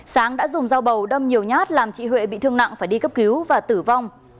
sáng đã dùng dao bầu đâm nhiều nhát làm chị huệ bị thương nặng phải đi cấp cứu và tử vong